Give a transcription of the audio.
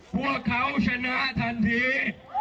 พวกเขาชนะทันที